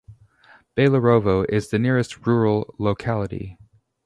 Baylarovo is the nearest rural locality.